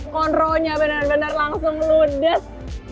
konronya bener bener langsung ludes